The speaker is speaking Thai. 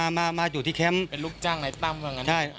จะมามาอยู่ที่แแคมป์เป็นลูกจ้างนายตั้มแบบนั้นใช่